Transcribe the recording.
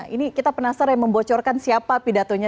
ini kita penasaran membocorkan siapa pidatonya